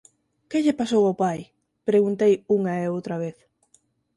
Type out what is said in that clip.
«Que lle pasou ao pai?», preguntei unha e outra vez.